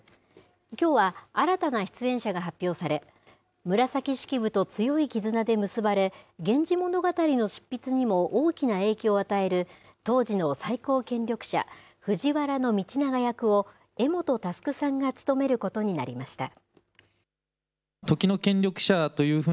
きょうは、新たな出演者が発表され、紫式部と強い絆で結ばれ、源氏物語の執筆にも大きな影響を与える当時の最高権力者、藤原道長役を柄本佑さんが務めることになりました。